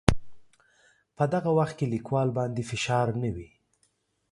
په دغه وخت کې لیکوال باندې فشار نه وي.